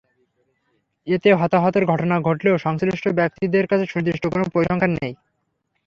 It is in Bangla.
এতে হতাহতের ঘটনা ঘটলেও সংশ্লিষ্ট ব্যক্তিদের কাছে সুনির্দিষ্ট কোনো পরিসংখ্যান নেই।